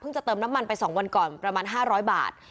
จะเติมน้ำมันไป๒วันก่อนประมาณ๕๐๐บาท